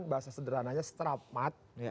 bahasa sederhananya seteramat